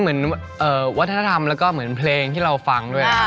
เหมือนวัฒนธรรมแล้วก็เหมือนเพลงที่เราฟังด้วยนะครับ